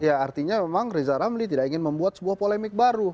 ya artinya memang riza ramli tidak ingin membuat sebuah polemik baru